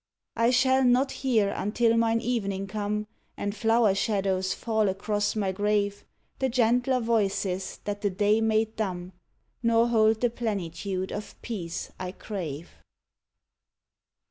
136 EVENING. I shall not hear until mine evening come, And flower shadows fall across my grave, The gentler voices that the day made dumb, Nor hold the plenitude of peace I crave.